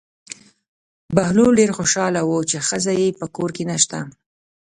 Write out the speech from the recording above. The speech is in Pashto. بهلول ډېر خوشحاله و چې ښځه یې په کور کې نشته.